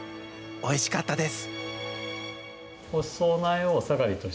おいしかったです。